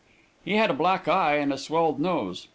He had a black eye, and a swelled nose.